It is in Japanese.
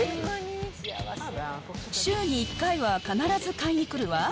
週に１回は必ず買いに来るわ。